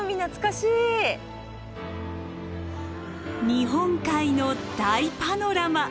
日本海の大パノラマ。